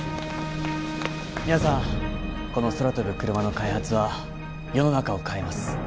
皆さんこの空飛ぶクルマの開発は世の中を変えます。